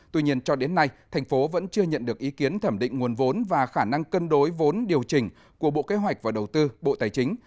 tuy nhiên cho đến nay thành phố vẫn chưa nhận được ý kiến thẩm định nguồn vốn và khả năng cân đối vốn điều chỉnh của bộ kế hoạch và đầu tư bộ tài chính